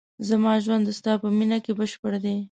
زما ژوند د ستا په مینه کې بشپړ دی.